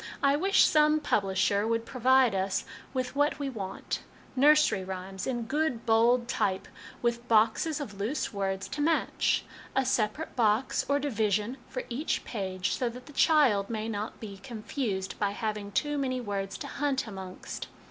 I wish some publisher would provide us with what we want nursery rhymes, in good bold type, with boxes of loose words to match a separate box, or division, for each page, so that the child may not be confused by having too many words to hunt amongst.